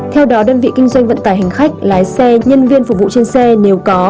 theo đó đơn vị kinh doanh vận tải hành khách lái xe nhân viên phục vụ trên xe nếu có